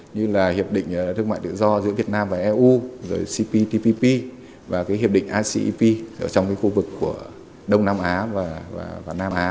như là hiệp định thương mại tự do giữa việt nam và eu rồi cptpp và cái hiệp định icep ở trong cái khu vực của đông nam á và nam á